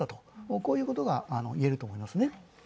こういうことが言えると思います。